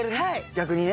逆にね。